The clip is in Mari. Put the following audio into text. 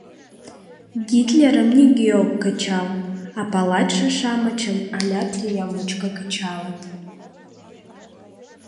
Гитлерым нигӧ ок кычал, а палачше-шамычым алят тӱня мучко кычалыт.